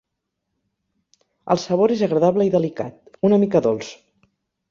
El sabor és agradable i delicat, una mica dolç.